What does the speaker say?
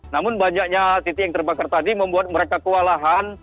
namun banyaknya titik yang terbakar tadi membuat mereka kewalahan